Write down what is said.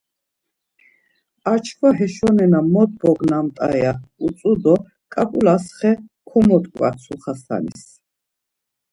Ar çkva haşo nena mot bognamt̆a ya utzu do ǩap̌ulas xe komot̆ǩvatsu Xasanis.